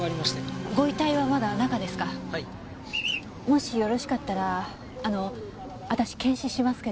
もしよろしかったらあの私検視しますけど。